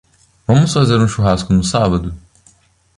Vamos fazer um churrasco no sábado?